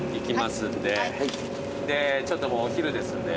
でちょっともうお昼ですんで。